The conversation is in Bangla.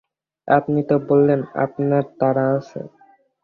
আপনিই তো বললেন আপনার তাড়া আছে।